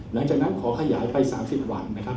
หลังจากนั้นขอขยายไป๓๐วันนะครับ